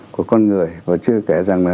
của con người và chưa kể rằng là